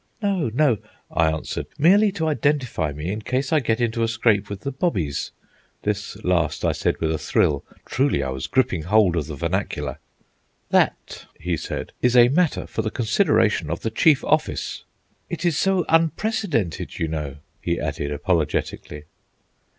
"No, no," I answered; "merely to identify me in case I get into a scrape with the 'bobbies.'" This last I said with a thrill; truly, I was gripping hold of the vernacular. "That," he said, "is a matter for the consideration of the Chief Office." "It is so unprecedented, you know," he added apologetically.